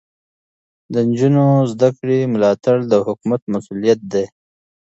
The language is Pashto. د نجونو زده کړې ملاتړ د حکومت مسؤلیت دی.